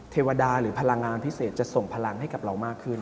เทวดาหรือพลังงานพิเศษจะส่งพลังให้กับเรามากขึ้น